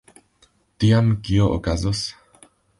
Tiam kio okazos?